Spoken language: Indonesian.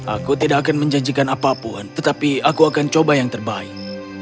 aku tidak akan menjanjikan apapun tetapi aku akan coba yang terbaik